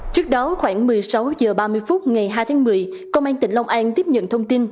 trước đó khoảng một mươi sáu h ba mươi phút ngày hai tháng một mươi công an tỉnh long an tiếp nhận thông tin